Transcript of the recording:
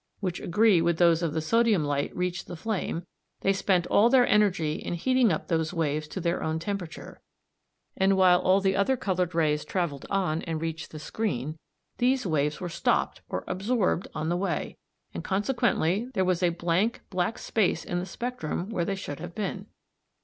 So when those special coloured waves of the oxyhydrogen light which agree with those of the sodium light reached the flame, they spent all their energy in heating up those waves to their own temperature, and while all the other coloured rays travelled on and reached the screen, these waves were stopped or absorbed on the way, and consequently there was a blank, black space in the spectrum where they should have been.